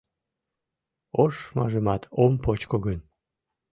Ошмажымат ом почко гын